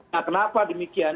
nah kenapa demikian